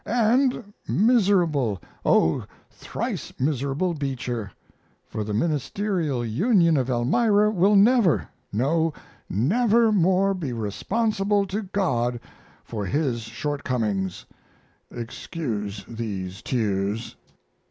And miserable, O thrice miserable Beecher! For the Ministerial Union of Elmira will never, no, never more be responsible to God for his shortcomings. (Excuse these tears.)